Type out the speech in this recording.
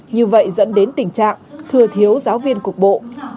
như vậy dẫn đến tình trạng thừa thiếu giáo viên cục bộ